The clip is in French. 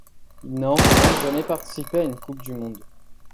Il n'a en revanche jamais participé à une coupe du monde.